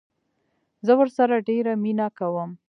زه ورسره ډيره مينه کوم